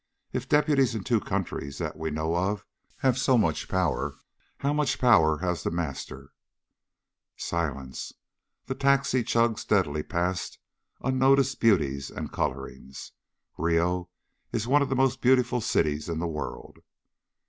If deputies in two countries that we know of have so much power, how much power has The Master?" Silence. The taxi chugged steadily past unnoticed beauties and colorings. Rio is really one of the most beautiful cities in the world.